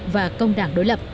và công đảng đối lập